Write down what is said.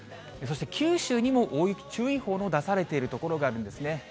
そして九州にも大雪注意報の出されている所があるんですね。